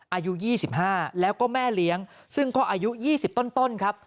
อายุ๒๕แล้วก็แม่เลี้ยงซึ่งก็อายุ๒๐ต้นครับ